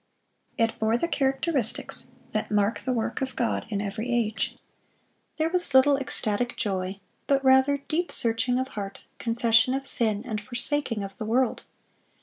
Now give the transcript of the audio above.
It bore the characteristics that mark the work of God in every age. There was little ecstatic joy, but rather deep searching of heart, confession of sin, and forsaking of the world.